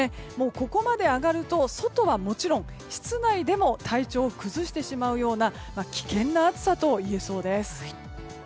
ここまで上がると外はもちろん、室内でも体調を崩してしまうような危険な暑さと言えそうです。